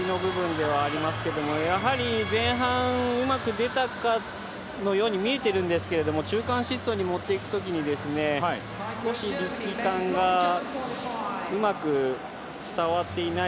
ホントにすくいの部分でありますけれど、やはり前半、うまく出たかのように見えてるんですけれど中間疾走に持ってく時に少し力感がうまく伝わっていない。